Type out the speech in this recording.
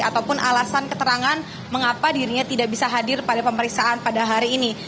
ataupun alasan keterangan mengapa dirinya tidak bisa hadir pada pemeriksaan pada hari ini